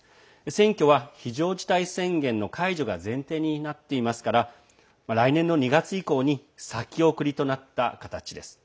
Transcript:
選挙は、非常事態宣言の解除が前提になっていますから来年の２月以降に先送りとなった形です。